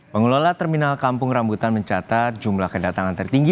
pengelola terminal kampung rambutan mencatat jumlah kedatangan tertinggi